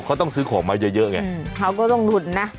เขาต้องซื้อของมาเยอะไงเขาก็ต้องหลุดนะ